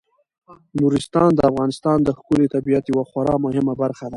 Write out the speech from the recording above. نورستان د افغانستان د ښکلي طبیعت یوه خورا مهمه برخه ده.